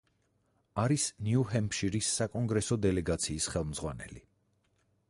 არის ნიუ ჰემფშირის საკონგრესო დელეგაციის ხელმძღვანელი.